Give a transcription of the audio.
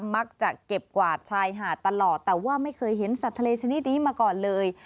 มักจะเก็บกวาดชายหาดตลอดแต่ว่าไม่เคยเห็นสัตว์ทะเลชนิดนี้มาก่อนเลย